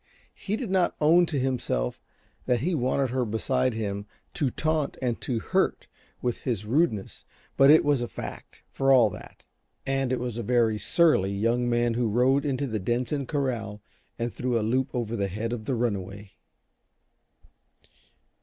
He did not own to himself that he wanted her beside him to taunt and to hurt with his rudeness, but it was a fact, for all that. And it was a very surly young man who rode into the Denson corral and threw a loop over the head of the runaway.